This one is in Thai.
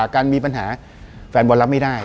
การมีปัญหาแฟนบอลรับไม่ได้